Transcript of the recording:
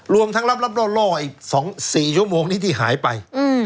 รวมทั้งรับล่ออีก๒๔ชั่วโมงนี้ที่หายไป